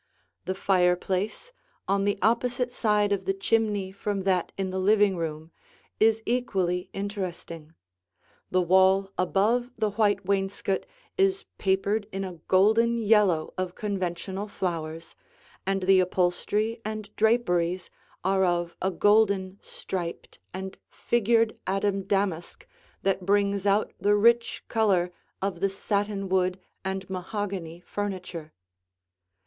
The fireplace, on the opposite side of the chimney from that in the living room, is equally interesting. The wall above the white wainscot is papered in a golden yellow of conventional flowers, and the upholstery and draperies are of a golden striped and figured Adam damask that brings out the rich color of the satinwood and mahogany furniture.